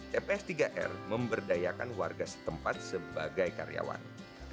tps tiga r memberdayakan warga setempat sebagai karyawan